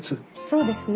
そうですね。